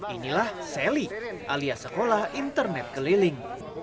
inilah sally alias sekolah internet keliling